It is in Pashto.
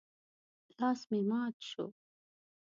لاس مې مات شو.